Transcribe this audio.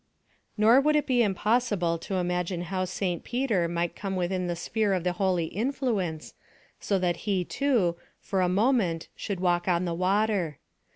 Nor would it be impossible to imagine how St Peter might come within the sphere of the holy influence, so that he, too, for a moment should walk on the water.